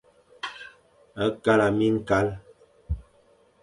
Kala miñkal.